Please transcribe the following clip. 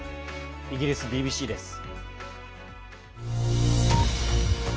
イギリスＢＢＣです。